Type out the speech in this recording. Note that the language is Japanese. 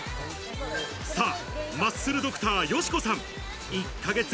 さぁ、マッスルドクター、よしこさん。